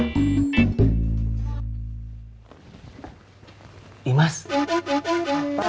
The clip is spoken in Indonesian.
gajinya kalau berhenti kemana